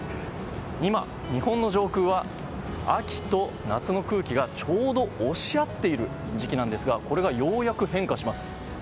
今、日本の上空は秋と夏の空気がちょうど押し合っている時期なんですがこれがようやく変化します。